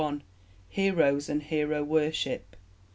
Heroes and Hero Worship.